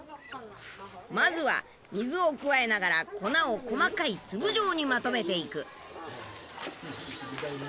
まずは水を加えながら粉を細かい粒状にまとめていく。